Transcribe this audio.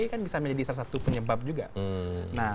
ini kan bisa menjadi salah satu penyebab juga